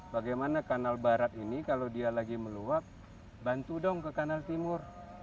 bagaimana kanal barat ini kalau dia lagi meluap bantu dong ke kanal timur